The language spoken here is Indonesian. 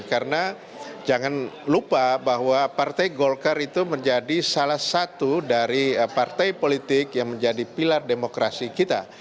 karena jangan lupa bahwa partai golkar itu menjadi salah satu dari partai politik yang menjadi pilar demokrasi kita